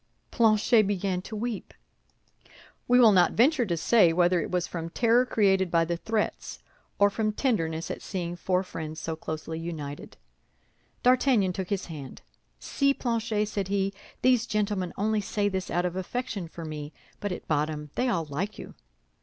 Planchet began to weep. We will not venture to say whether it was from terror created by the threats or from tenderness at seeing four friends so closely united. D'Artagnan took his hand. "See, Planchet," said he, "these gentlemen only say this out of affection for me, but at bottom they all like you."